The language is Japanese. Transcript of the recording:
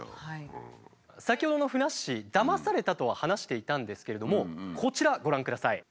先ほどのふなっしーだまされたとは話していたんですけれどもこちらご覧ください。